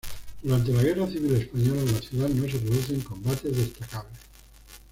Durante la Guerra Civil Española en la ciudad no se producen combates destacables.